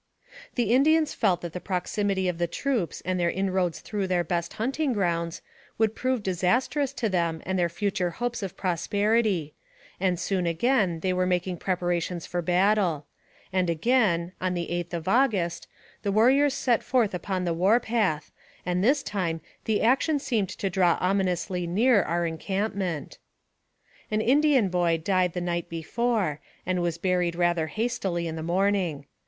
The Indians felt that the proximity of the troops and their inroads through their best hunting grounds would prove disastrous to them and their future hopes of prosperity, and soon again they were making prep arations for battle; and again, on the 8th of August, the warriors set forth on the war path, and this time the action seemed to draw ominously near our en campment. An Indian boy died the night before, and was buried rather hastily in the morning.